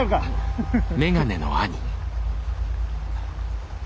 フフフ。